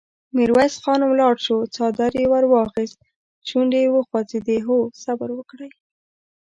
ميرويس خان ولاړ شو، څادر يې ور واخيست، شونډې يې وخوځېدې: هو! صبر وکړئ!